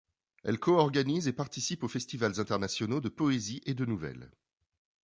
Elle co-organise et participe aux festivals internationaux de poésie et de nouvelle.